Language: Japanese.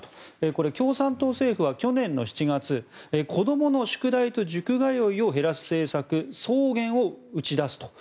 これ、共産党政府は去年の７月子どもの宿題と塾通いを減らす政策双減を打ち出すと。